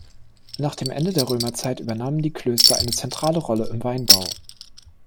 Nach dem Ende der Römerzeit übernahmen die Klöster eine zentrale Rolle im Weinbau.